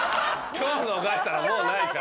今日逃したらもうないから。